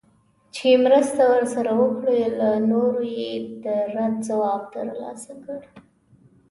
چي مرسته ورسره وکړي له نورو یې د رد ځواب ترلاسه کړ